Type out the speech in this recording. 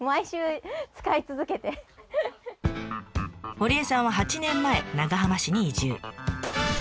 堀江さんは８年前長浜市に移住。